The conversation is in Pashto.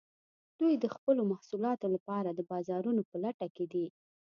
دوی د خپلو محصولاتو لپاره د بازارونو په لټه کې دي